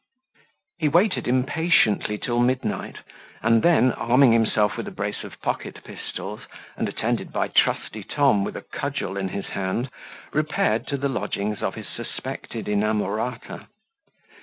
He waited impatiently till midnight, and then, arming himself with a brace of pocket pistols, and attended by trusty Tom with a cudgel in his hand, repaired to the lodgings of his suspected inamorata.